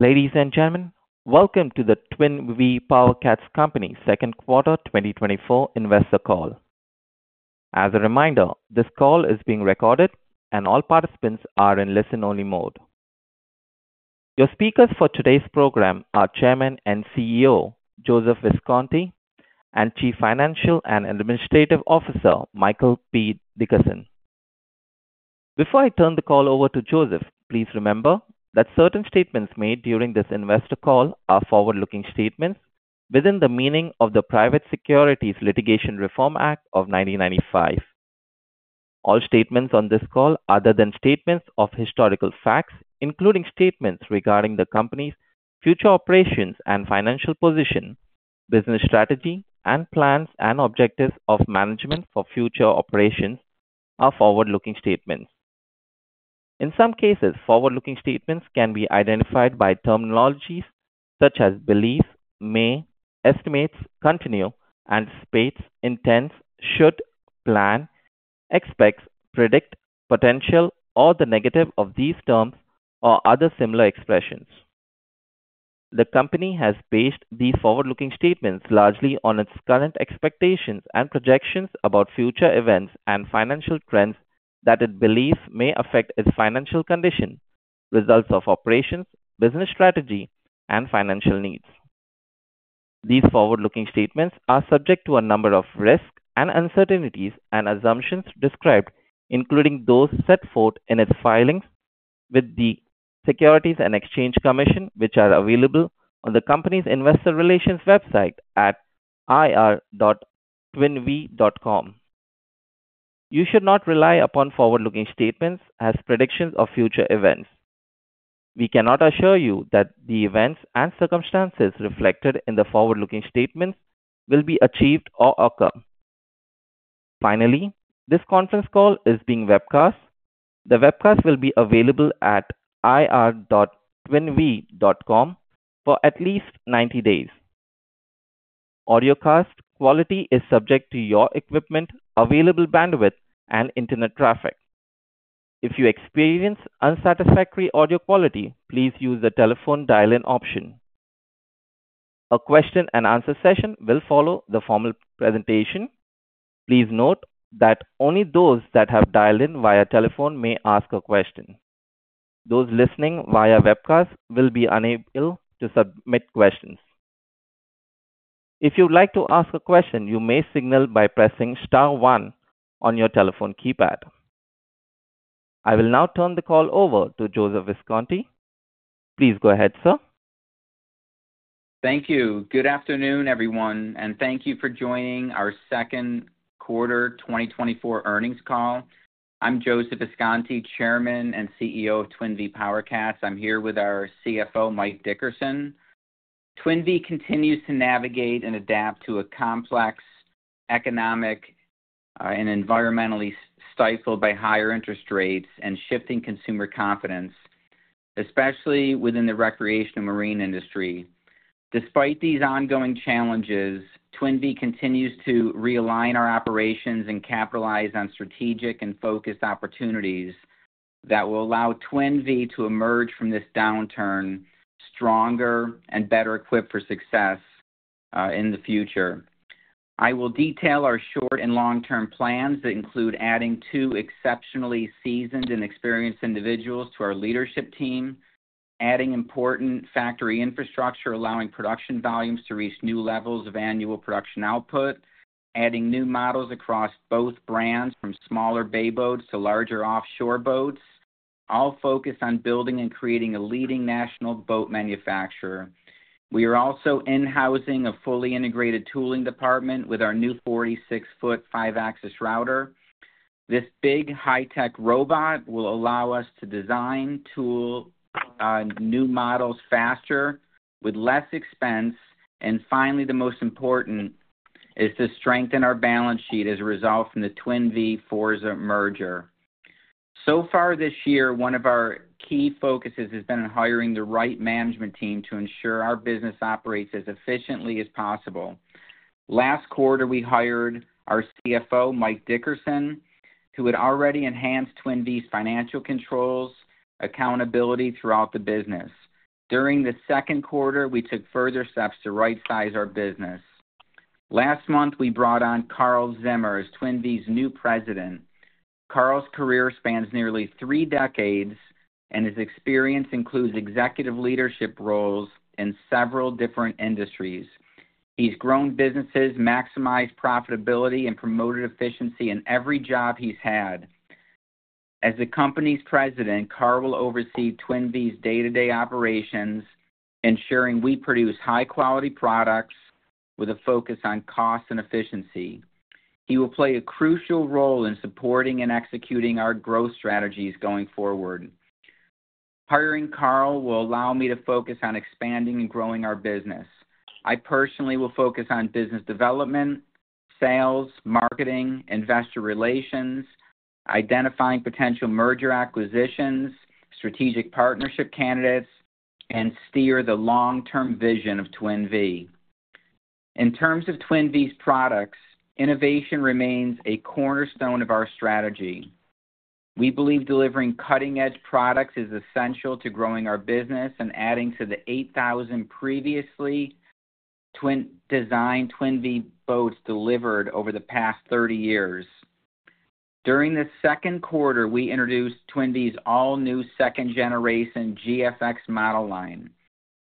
Ladies and gentlemen, welcome to the Twin Vee PowerCats company second quarter 2024 investor call. As a reminder, this call is being recorded and all participants are in listen-only mode. Your speakers for today's program are Chairman and CEO, Joseph Visconti, and Chief Financial and Administrative Officer, Michael P. Dickerson. Before I turn the call over to Joseph, please remember that certain statements made during this investor call are forward-looking statements within the meaning of the Private Securities Litigation Reform Act of 1995. All statements on this call, other than statements of historical facts, including statements regarding the company's future operations and financial position, business strategy and plans and objectives of management for future operations, are forward-looking statements. In some cases, forward-looking statements can be identified by terminology such as believe, may, estimates, continue, anticipates, intends, should, plan, expects, predict, potential, or the negative of these terms or other similar expressions. The company has based these forward-looking statements largely on its current expectations and projections about future events and financial trends that it believes may affect its financial condition, results of operations, business strategy, and financial needs. These forward-looking statements are subject to a number of risks and uncertainties and assumptions described, including those set forth in its filings with the Securities and Exchange Commission, which are available on the company's investor relations website at ir.twinvee.com. You should not rely upon forward-looking statements as predictions of future events. We cannot assure you that the events and circumstances reflected in the forward-looking statements will be achieved or occur. Finally, this conference call is being webcast. The webcast will be available at ir.twinv.com for at least 90 days. Audio cast quality is subject to your equipment, available bandwidth, and internet traffic. If you experience unsatisfactory audio quality, please use the telephone dial-in option. A question and answer session will follow the formal presentation. Please note that only those that have dialed in via telephone may ask a question. Those listening via webcast will be unable to submit questions. If you'd like to ask a question, you may signal by pressing star one on your telephone keypad. I will now turn the call over to Joseph Visconti. Please go ahead, sir. Thank you. Good afternoon, everyone, and thank you for joining our second quarter 2024 earnings call. I'm Joseph Visconti, Chairman and CEO of Twin Vee PowerCats. I'm here with our CFO, Mike Dickerson. Twin Vee PowerCats continues to navigate and adapt to a complex economic, and environmentally stifled by higher interest rates and shifting consumer confidence, especially within the recreation and marine industry. Despite these ongoing challenges, Twin Vee PowerCats continues to realign our operations and capitalize on strategic and focused opportunities that will allow Twin Vee PowerCats to emerge from this downturn stronger and better equipped for success, in the future. I will detail our short- and long-term plans that include adding two exceptionally seasoned and experienced individuals to our leadership team, adding important factory infrastructure, allowing production volumes to reach new levels of annual production output, adding new models across both brands, from smaller bay boats to larger offshore boats, all focused on building and creating a leading national boat manufacturer. We are also in-housing a fully integrated tooling department with our new 46 ft five-axis router. This big high-tech robot will allow us to design, tool, new models faster with less expense. Finally, the most important is to strengthen our balance sheet as a result from the Twin Vee Forza merger. So far this year, one of our key focuses has been on hiring the right management team to ensure our business operates as efficiently as possible. Last quarter, we hired our CFO, Mike Dickerson, who had already enhanced Twin Vee's financial controls, accountability throughout the business. During the second quarter, we took further steps to rightsize our business. Last month, we brought on Karl Zimmer as Twin Vee's new president. Karl's career spans nearly three decades, and his experience includes executive leadership roles in several different industries. He's grown businesses, maximized profitability, and promoted efficiency in every job he's had. As the company's president, Karl will oversee Twin Vee's day-to-day operations, ensuring we produce high-quality products with a focus on cost and efficiency. He will play a crucial role in supporting and executing our growth strategies going forward. Hiring Karl will allow me to focus on expanding and growing our business. I personally will focus on business development, sales, marketing, investor relations, identifying potential merger acquisitions, strategic partnership candidates, and steer the long-term vision of Twin Vee. In terms of Twin Vee's products, innovation remains a cornerstone of our strategy. We believe delivering cutting-edge products is essential to growing our business and adding to the 8,000 previously Twin Vee-designed Twin Vee boats delivered over the past 30 years. During the second quarter, we introduced Twin Vee's all-new second generation GFX model line.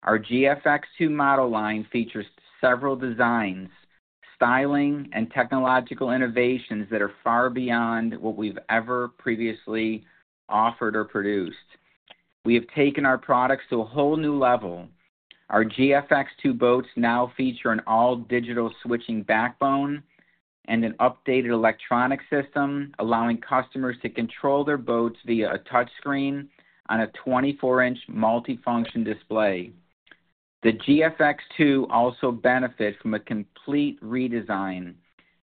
Our GFX2 model line features several designs, styling and technological innovations that are far beyond what we've ever previously offered or produced. We have taken our products to a whole new level. Our GFX2 boats now feature an all-digital switching backbone and an updated electronic system, allowing customers to control their boats via a touchscreen on a 24 in multifunction display. The GFX2 also benefits from a complete redesign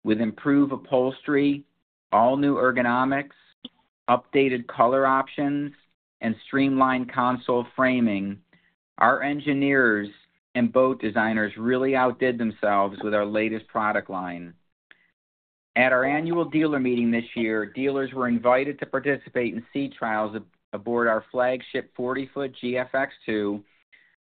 with improved upholstery, all-new ergonomics, updated color options, and streamlined console framing. Our engineers and boat designers really outdid themselves with our latest product line. At our annual dealer meeting this year, dealers were invited to participate in sea trials aboard our flagship 40 ft GFX2,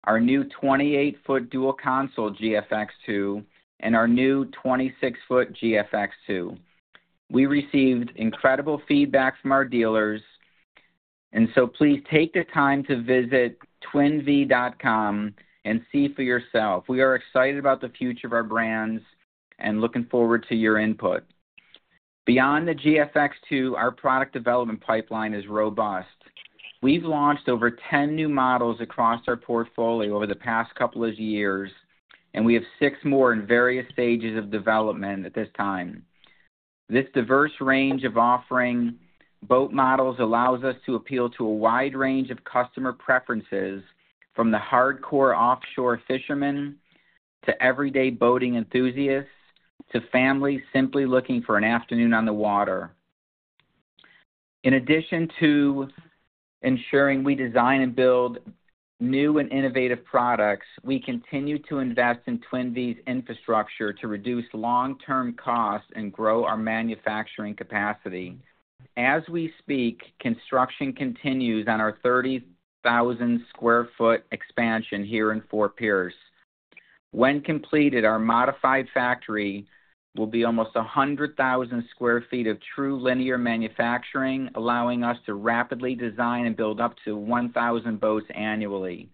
our new 28 ft dual console GFX2, and our new 26 ft GFX2. We received incredible feedback from our dealers, and so please take the time to visit twinvee.com and see for yourself. We are excited about the future of our brands and looking forward to your input. Beyond the GFX2, our product development pipeline is robust. We've launched over 10 new models across our portfolio over the past couple of years, and we have six more in various stages of development at this time. This diverse range of offering boat models allows us to appeal to a wide range of customer preferences, from the hardcore offshore fishermen, to everyday boating enthusiasts, to families simply looking for an afternoon on the water. In addition to ensuring we design and build new and innovative products, we continue to invest in Twin Vee's infrastructure to reduce long-term costs and grow our manufacturing capacity. As we speak, construction continues on our 30,000 sq ft expansion here in Fort Pierce. When completed, our modified factory will be almost 100,000 sq ft of true linear manufacturing, allowing us to rapidly design and build up to 1,000 boats annually.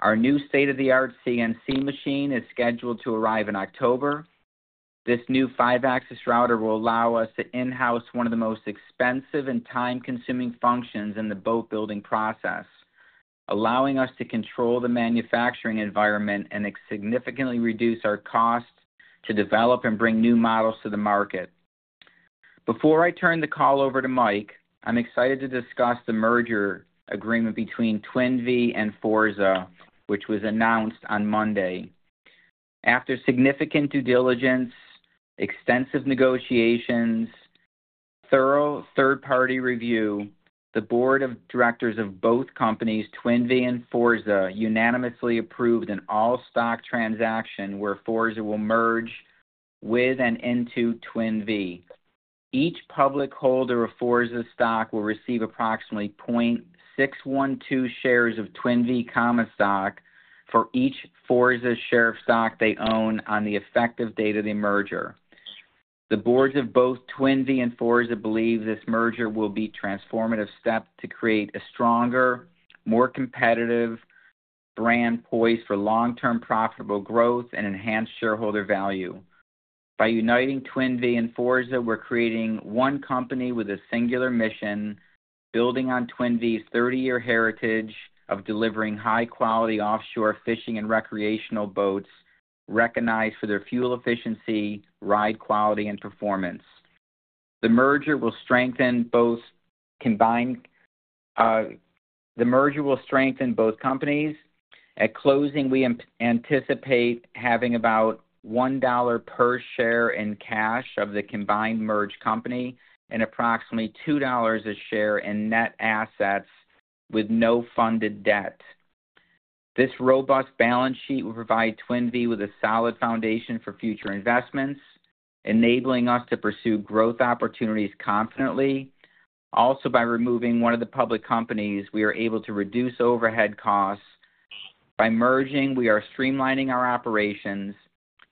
Our new state-of-the-art CNC machine is scheduled to arrive in October. This new 5-axis router will allow us to in-house one of the most expensive and time-consuming functions in the boat building process, allowing us to control the manufacturing environment and significantly reduce our costs to develop and bring new models to the market. Before I turn the call over to Mike, I'm excited to discuss the merger agreement between Twin Vee and Forza, which was announced on Monday. After significant due diligence, extensive negotiations, thorough third-party review, the board of directors of both companies, Twin Vee and Forza, unanimously approved an all-stock transaction where Forza will merge with and into Twin Vee. Each public holder of Forza's stock will receive approximately 0.612 shares of Twin Vee common stock for each Forza share of stock they own on the effective date of the merger. The boards of both Twin Vee and Forza believe this merger will be a transformative step to create a stronger, more competitive brand poised for long-term profitable growth and enhanced shareholder value. By uniting Twin Vee and Forza, we're creating one company with a singular mission, building on Twin Vee's 30-year heritage of delivering high-quality offshore fishing and recreational boats recognized for their fuel efficiency, ride quality, and performance. The merger will strengthen both combined, the merger will strengthen both companies. At closing, we anticipate having about $1 per share in cash of the combined merged company and approximately $2 a share in net assets with no funded debt. This robust balance sheet will provide Twin Vee with a solid foundation for future investments, enabling us to pursue growth opportunities confidently. Also, by removing one of the public companies, we are able to reduce overhead costs. By merging, we are streamlining our operations,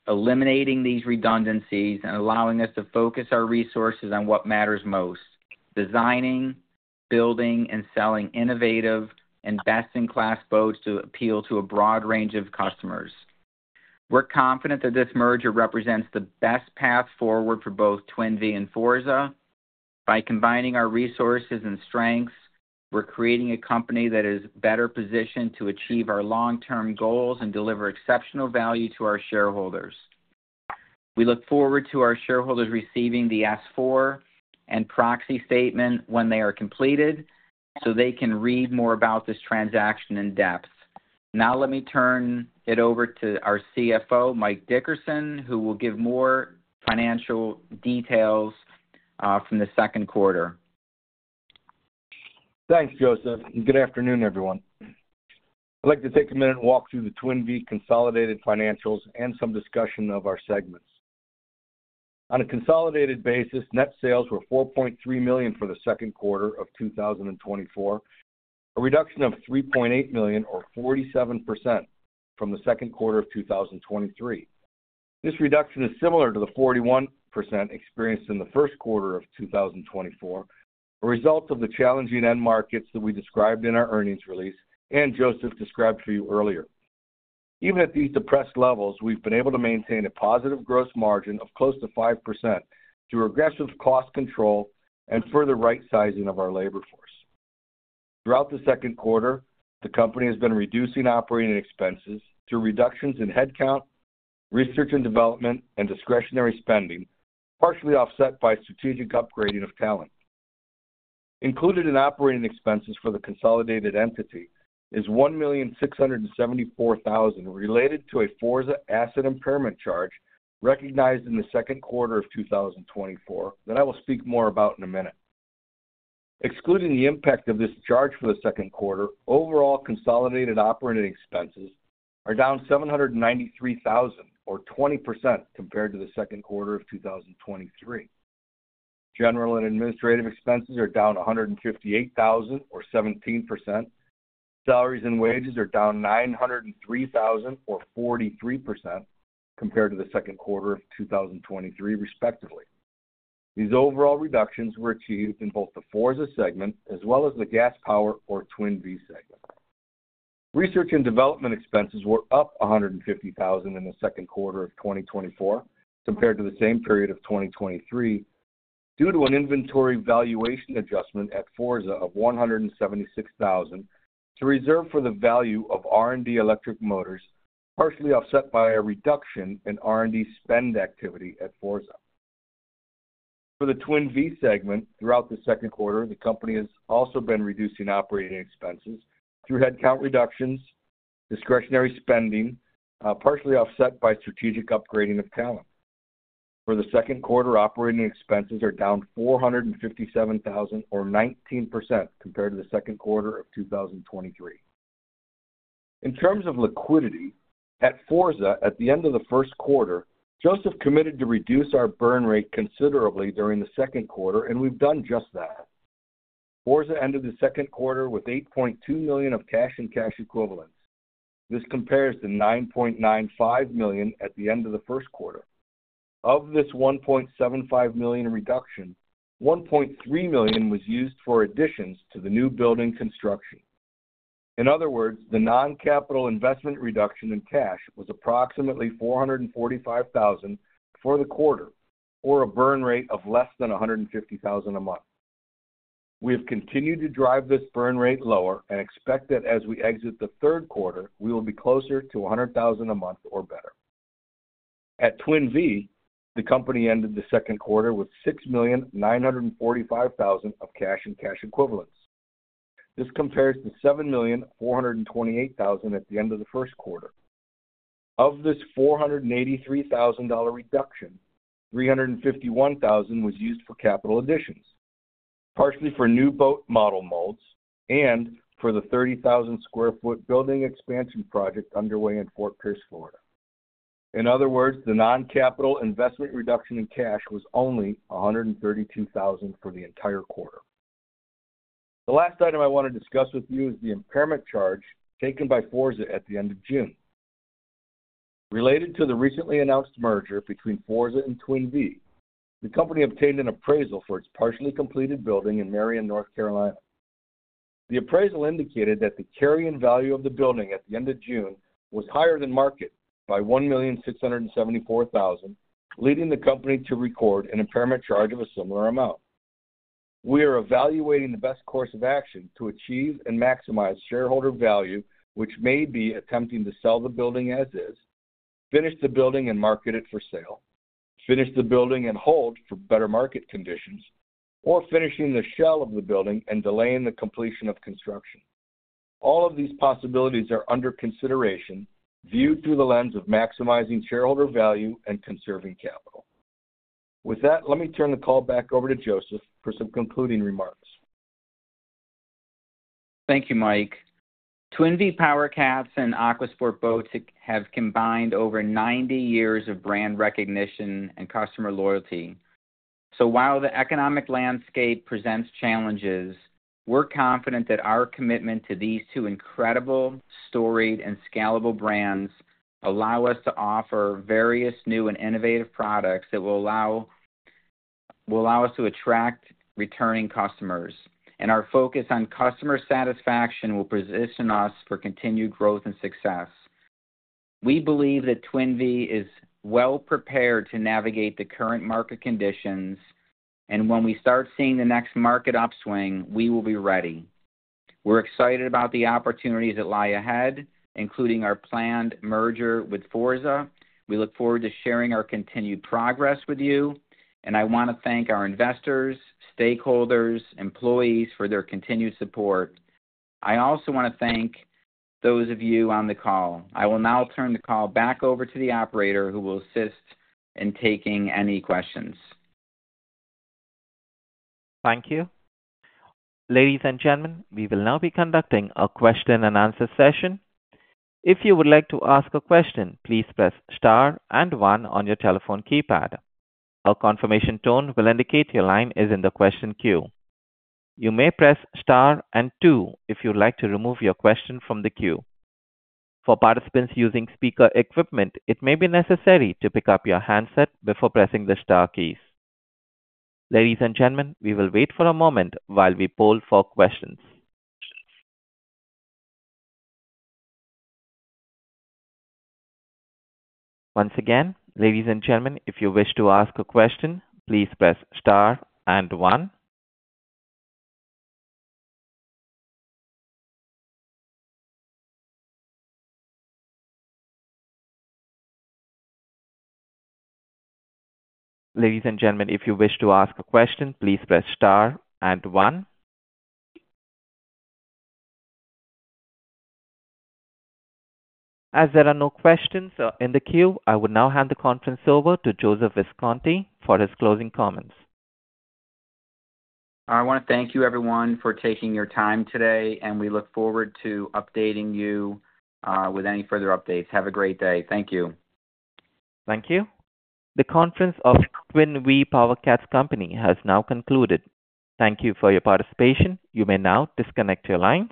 eliminating these redundancies, and allowing us to focus our resources on what matters most: designing, building, and selling innovative and best-in-class boats to appeal to a broad range of customers. We're confident that this merger represents the best path forward for both Twin Vee and Forza. By combining our resources and strengths, we're creating a company that is better positioned to achieve our long-term goals and deliver exceptional value to our shareholders. We look forward to our shareholders receiving the S-4 and proxy statement when they are completed, so they can read more about this transaction in depth. Now, let me turn it over to our CFO, Mike Dickerson, who will give more financial details from the second quarter. Thanks, Joseph, and good afternoon, everyone. I'd like to take a minute and walk through the Twin Vee consolidated financials and some discussion of our segments. On a consolidated basis, net sales were $4.3 million for the second quarter of 2024, a reduction of $3.8 million or 47% from the second quarter of 2023. This reduction is similar to the 41% experienced in the first quarter of 2024, a result of the challenging end markets that we described in our earnings release and Joseph described for you earlier. Even at these depressed levels, we've been able to maintain a positive gross margin of close to 5% through aggressive cost control and further right sizing of our labor force. Throughout the second quarter, the company has been reducing operating expenses through reductions in headcount, research and development, and discretionary spending, partially offset by strategic upgrading of talent. Included in operating expenses for the consolidated entity is $1,674,000, related to a Forza asset impairment charge recognized in the second quarter of 2024, that I will speak more about in a minute. Excluding the impact of this charge for the second quarter, overall consolidated operating expenses are down $793,000 or 20% compared to the second quarter of 2023. General and administrative expenses are down $158,000 or 17%. Salaries and wages are down $903,000 or 43% compared to the second quarter of 2023, respectively. These overall reductions were achieved in both the Forza segment as well as the Gas Power or Twin Vee segment. Research and development expenses were up $150,000 in the second quarter of 2024 compared to the same period of 2023, due to an inventory valuation adjustment at Forza of $176,000 to reserve for the value of R&D electric motors, partially offset by a reduction in R&D spend activity at Forza. For the Twin Vee segment, throughout the second quarter, the company has also been reducing operating expenses through headcount reductions, discretionary spending, partially offset by strategic upgrading of talent. For the second quarter, operating expenses are down $457,000 or 19% compared to the second quarter of 2023. In terms of liquidity, at Forza, at the end of the first quarter, Joseph committed to reduce our burn rate considerably during the second quarter, and we've done just that. Forza ended the second quarter with $8.2 million of cash and cash equivalents. This compares to $9.95 million at the end of the first quarter. Of this $1.75 million reduction, $1.3 million was used for additions to the new building construction. In other words, the non-capital investment reduction in cash was approximately $445,000 for the quarter, or a burn rate of less than $150,000 a month. We have continued to drive this burn rate lower and expect that as we exit the third quarter, we will be closer to $100,000 a month or better. At Twin Vee, the company ended the second quarter with $6,945,000 of cash and cash equivalents. This compares to $7,428,000 at the end of the first quarter. Of this $483,000 reduction, $351,000 was used for capital additions, partially for new boat model molds and for the 30,000 sq ft building expansion project underway in Fort Pierce, Florida. In other words, the non-capital investment reduction in cash was only $132,000 for the entire quarter. The last item I want to discuss with you is the impairment charge taken by Forza at the end of June. Related to the recently announced merger between Forza and Twin Vee, the company obtained an appraisal for its partially completed building in Marion, North Carolina. The appraisal indicated that the carrying value of the building at the end of June was higher than market by $1,674,000, leading the company to record an impairment charge of a similar amount. We are evaluating the best course of action to achieve and maximize shareholder value, which may be attempting to sell the building as is, finish the building and market it for sale, finish the building and hold for better market conditions, or finishing the shell of the building and delaying the completion of construction. All of these possibilities are under consideration, viewed through the lens of maximizing shareholder value and conserving capital. With that, let me turn the call back over to Joseph for some concluding remarks. Thank you, Mike. Twin Vee PowerCats and AquaSport Boats have combined over 90 years of brand recognition and customer loyalty. So while the economic landscape presents challenges, we're confident that our commitment to these two incredible, storied, and scalable brands allow us to offer various new and innovative products that will allow, will allow us to attract returning customers, and our focus on customer satisfaction will position us for continued growth and success. We believe that Twin Vee is well-prepared to navigate the current market conditions, and when we start seeing the next market upswing, we will be ready. We're excited about the opportunities that lie ahead, including our planned merger with Forza. We look forward to sharing our continued progress with you, and I want to thank our investors, stakeholders, employees for their continued support. I also want to thank those of you on the call. I will now turn the call back over to the operator, who will assist in taking any questions. Thank you. Ladies and gentlemen, we will now be conducting a question and answer session. If you would like to ask a question, please press star and one on your telephone keypad. A confirmation tone will indicate your line is in the question queue. You may press star and two if you'd like to remove your question from the queue. For participants using speaker equipment, it may be necessary to pick up your handset before pressing the star keys. Ladies and gentlemen, we will wait for a moment while we poll for questions. Once again, ladies and gentlemen, if you wish to ask a question, please press star and one. Ladies and gentlemen, if you wish to ask a question, please press star and one. As there are no questions in the queue, I will now hand the conference over to Joseph Visconti for his closing comments. I want to thank you everyone for taking your time today, and we look forward to updating you, with any further updates. Have a great day. Thank you. Thank you. The conference of Twin Vee PowerCats company has now concluded. Thank you for your participation. You may now disconnect your line.